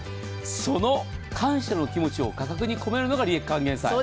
その感謝の気持ちを価格に込めるのが利益還元祭。